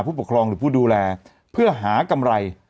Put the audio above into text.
ผู้ปกครองหรือผู้ดูแลเพื่อหากำไร